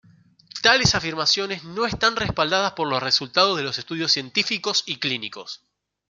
Tales afirmaciones no están respaldadas por los resultados de los estudios científicos y clínicos.